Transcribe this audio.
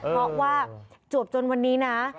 เพราะว่าจวบจนวันนี้นะ